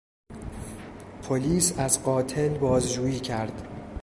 پلیس از قاتل بازجویی کرد.